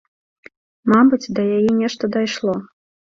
Мабыць, да яе нешта дайшло.